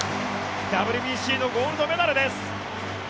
ＷＢＣのゴールドメダルです。